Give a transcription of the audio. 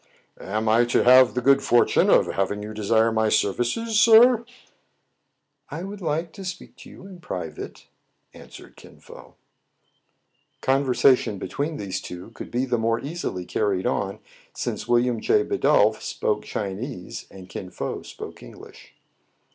" Am I to have the good fortune of having you desire my services, sir }" "I would like to speak to you in private," an swered Kin Fo. Conversation between these two could be the more easily carried on, since William J. Bidulph spoke Chinese, aijd Kin Fo spoke English.